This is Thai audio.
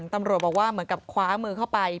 ตำรวจบอกว่าเหมือนกับคว้ามือเข้าไป